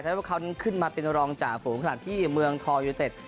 แทนว่าเขาขึ้นมาเป็นรองจ่าฝูงขนาดที่เมืองยูนิเต็ต